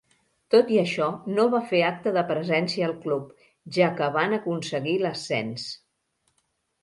Tot i això, no va fer acte de presència al club, ja que van aconseguir l'ascens.